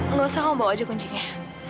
enggak usah kamu bawa aja kuncinya